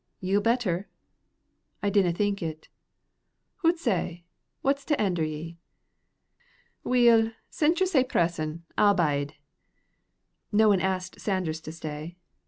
"Ye'll better?" "I dinna think it." "Hoots ay; what's to hender ye?" "Weel, since ye're sae pressin', I'll bide." No one asked Sanders to stay.